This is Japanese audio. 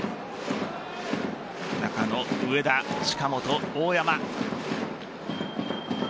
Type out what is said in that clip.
中野、植田、近本、大山。